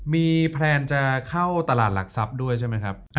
มีแพลนจะเข้าตลาดหลักทรัพย์ด้วยใช่ไหมครับ